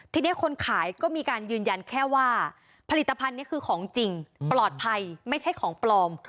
ทีนี้คนขายก็มีการยืนยันแค่ว่าผลิตภัณฑ์นี้คือของจริงปลอดภัยไม่ใช่ของปลอม